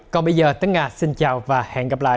còn bây giờ tấn nga xin chào và hẹn gặp lại